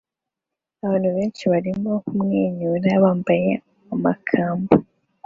Abantu benshi barimo kumwenyura bambaye amakamba